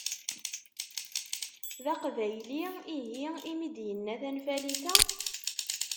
D aqbayli ihi imi d-yenna tanfalit-a?